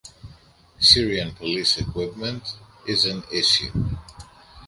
Syrian police equipment is an issue.